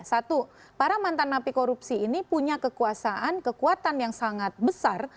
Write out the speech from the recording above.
satu para mantan napi korupsi ini punya kekuasaan kekuatan yang sangat besar